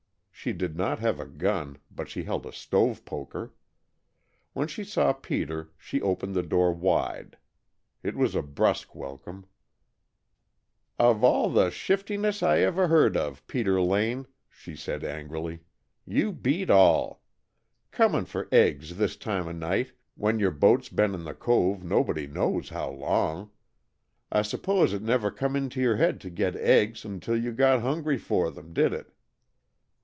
She did not have a gun, but she held a stove poker. When she saw Peter she opened the door wide. It was a brusk welcome. "Of all the shiftlessness I ever heard of, Peter Lane," she said angrily, "you beat all! Cormin' for eggs this time of night when your boat's been in the cove nobody knows how long. I suppose it never come into your head to get eggs until you got hungry for them, did it?"